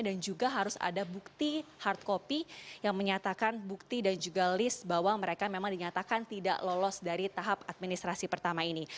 juga harus ada bukti hard copy yang menyatakan bukti dan juga list bahwa mereka memang dinyatakan tidak lolos dari tahap administrasi pertama ini